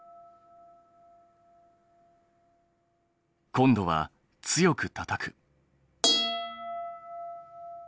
今度は強くたたく。